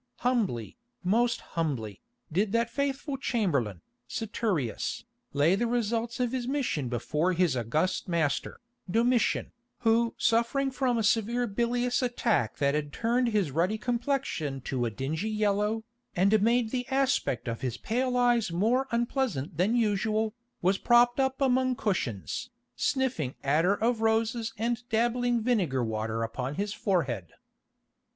Humbly, most humbly, did that faithful chamberlain, Saturius, lay the results of his mission before his august master, Domitian, who suffering from a severe bilious attack that had turned his ruddy complexion to a dingy yellow, and made the aspect of his pale eyes more unpleasant than usual, was propped up among cushions, sniffing attar of roses and dabbing vinegar water upon his forehead.